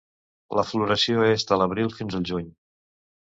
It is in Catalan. La floració és de l'Abril fins al Juny.